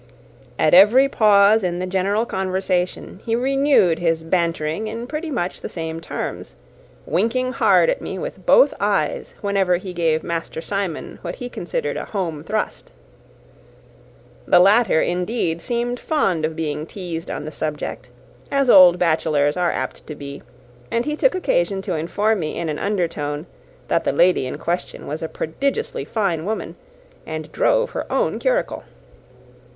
At every pause in the general conversation, he renewed his bantering in pretty much the same terms; winking hard at me with both eyes whenever he gave Master Simon what he considered a home thrust. The latter, indeed, seemed fond of being teased on the subject, as old bachelors are apt to be; and he took occasion to inform me, in an undertone, that the lady in question was a prodigiously fine woman, and drove her own curricle.